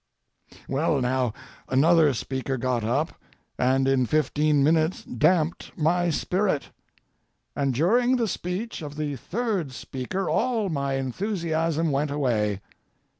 Well, now, another speaker got up, and in fifteen minutes damped my spirit; and during the speech of the third speaker all my enthusiasm went away.